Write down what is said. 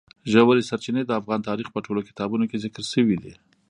ژورې سرچینې د افغان تاریخ په ټولو کتابونو کې ذکر شوي دي.